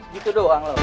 gitu doang loh